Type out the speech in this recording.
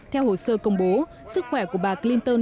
theo hồ sơ công bố sức khỏe của bà clinton